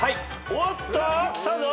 おっと！きたぞ。